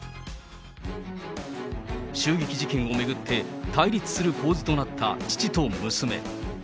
襲撃事件を巡って対立する構図となった父と娘。